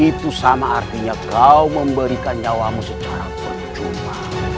itu sama artinya kau memberikan nyawamu secara percuma